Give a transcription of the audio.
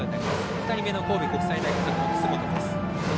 ２人目の神戸国際大付属の楠本です。